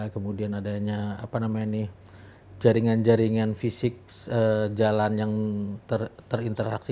kemudian adanya jaringan jaringan fisik jalan yang terinteraksi